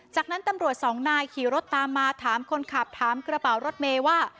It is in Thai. จากนั้นตำรวจสองนายขี่รถตามมาถามคนขับถามกระเป๋ารถเมย์ว่า